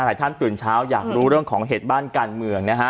ท่านตื่นเช้าอยากรู้เรื่องของเหตุบ้านการเมืองนะฮะ